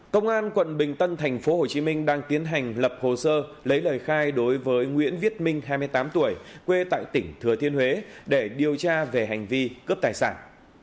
công an quận bình tân thành phố hồ chí minh đang tiến hành lập hồ sơ lấy lời khai đối với nguyễn viết minh hai mươi tám tuổi quê tại tỉnh thừa thiên huế để điều tra về hành vi cướp tài sản